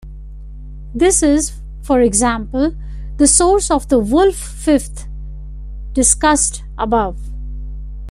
This is, for example, the source of the "wolf fifth" discussed above.